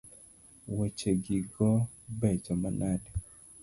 Woche gi go becho manade